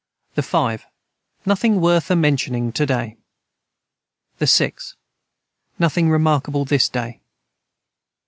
the 5. Nothing worth a mentioning to day. the 6. Nothing remarkable this day.